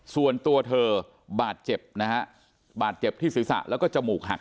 ส่วนตัวเธอบาดเจ็บที่ศึกษาและก็จมูกหัก